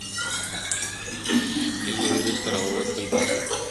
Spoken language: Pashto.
یو ګړی وروسته را والوتل بادونه.!